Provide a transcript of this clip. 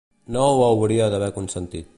No ho hauria d'haver consentit.